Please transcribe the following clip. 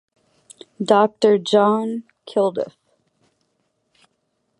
Doctor John Kilduff.